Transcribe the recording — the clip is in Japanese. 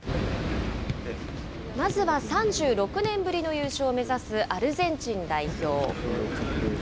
まずは３６年ぶりの優勝を目指すアルゼンチン代表。